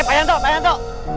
eh pak rata pak rata